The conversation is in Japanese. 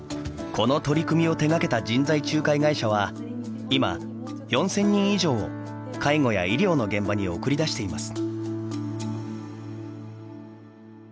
この取り組みを手がけた人材仲介会社は今４，０００人以上を介護や医療の現場に送り出しています。